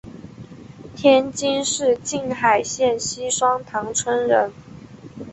天津市静海县西双塘村人。